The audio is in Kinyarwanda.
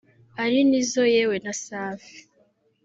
ari Nizzo yewe na Safi